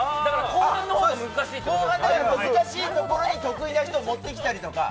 後半の難しいところに得意な人をもってきたりとか。